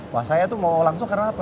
wah saya tuh mau langsung karena apa